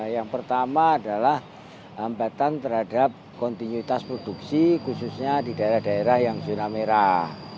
yang pertama adalah hambatan terhadap kontinuitas produksi khususnya di daerah daerah yang zona merah